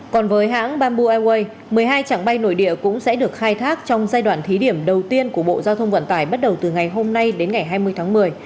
còn với hãng bamboo airways một mươi hai trạng bay nội địa cũng sẽ được khai thác trong giai đoạn thí điểm đầu tiên của bộ giao thông vận tải bắt đầu từ ngày hôm nay đến ngày hai mươi tháng một mươi